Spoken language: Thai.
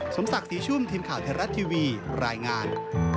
สมศักดิ์ศรีชุ่มทีมข่าวไทยรัฐทีวีรายงาน